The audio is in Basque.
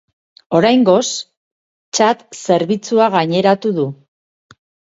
Oraingoz txat zerbitzua gaineratu du.